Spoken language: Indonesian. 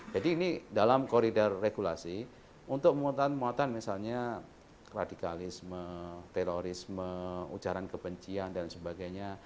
jadi ini dalam koridor regulasi untuk memuatan muatan misalnya radikalisme terorisme ujaran kebencian dan sebagainya